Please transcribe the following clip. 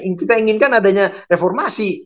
yang kita inginkan adanya reformasi